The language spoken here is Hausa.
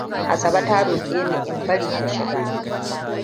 Asabe ta roke ni in bari ta shiga.